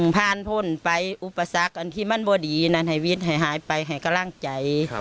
พานพ่นไปอุปสรรคของที่มันไม่ดีนังไห้ฤทธิ์หายไปให้ก้าล่างใจ